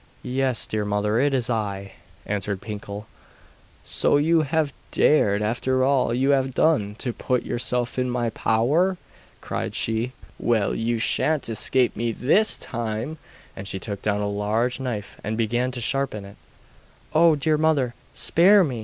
'Yes, dear mother, it is I,' answered Pinkel. 'So you have dared, after all you have done, to put yourself in my power!' cried she. 'Well, you sha'n't escape me THIS time!' And she took down a large knife and began to sharpen it.' 'Oh! dear mother, spare me!